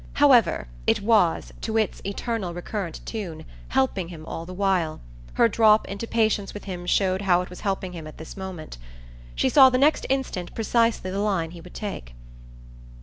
However, it was, to its eternal recurrent tune, helping him all the while; her drop into patience with him showed how it was helping him at this moment. She saw the next instant precisely the line he would take.